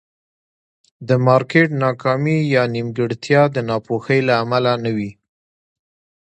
د مارکېټ ناکامي یا نیمګړتیا د ناپوهۍ له امله نه وي.